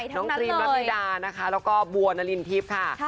น้องครีมรับนิดาแล้วก็บัวนารินทิพย์ค่ะ